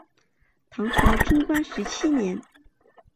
唐朝贞观十七年。